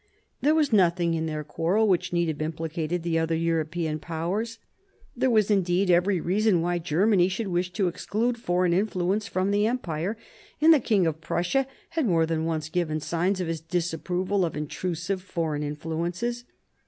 There was nothing in their quarrel which need have implicated the other European Powers. There was indeed every reason why Germany should wish to exclude foreign influence from the Empire, and the King of Prussia had more than once given signs of his disapproval of intrusive foreign influences.